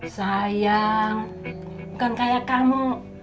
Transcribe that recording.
sayang bukan kayak kamu